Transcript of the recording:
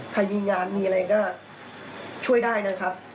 ใครมีงานมีอะไรก็ช่วยได้นะครับ